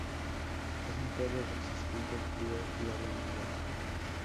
Es un perro resistente al frío y a la humedad.